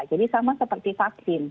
jadi sama seperti vaksin